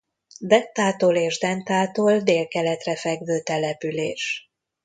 Dettától és Dentától délkeletre fekvő település.